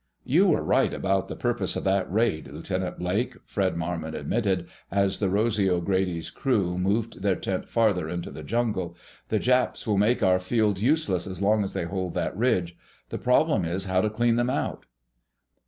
"You were right about the purpose of that raid, Lieutenant Blake," Fred Marmon admitted, as the Rosy O'Grady's crew moved their tent farther into the jungle. "The Japs will make our field useless as long as they hold that ridge. The problem is how to clean them out."